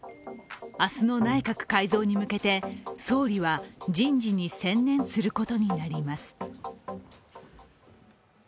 明日の内閣改造に向けて総理は人事に専念することになります。